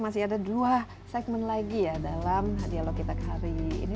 masih ada dua segmen lagi ya dalam dialog kita ke hari ini